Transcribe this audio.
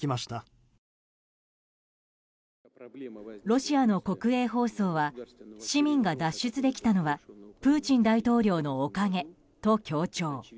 ロシアの国営放送は市民が脱出できたのはプーチン大統領のおかげと強調。